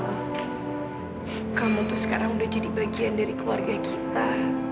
oh kamu tuh sekarang udah jadi bagian dari keluarga kita